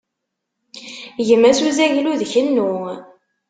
Gmas uzaglu d kennu.